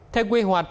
theo quy hoạch